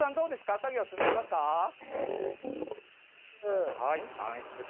作業は進んでいますか。